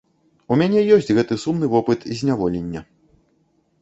У мяне ёсць гэты сумны вопыт зняволення.